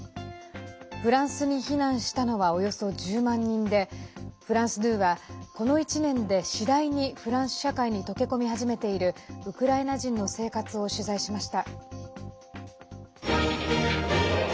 フランスに避難したのはおよそ１０万人でフランス２は、この１年で次第にフランス社会に溶け込み始めているウクライナ人の生活を取材しました。